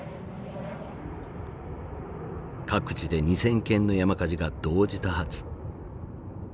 各地で２，０００件の山火事が同時多発。